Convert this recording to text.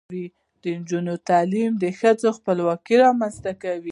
د نجونو تعلیم د ښځو خپلواکۍ رامنځته کوي.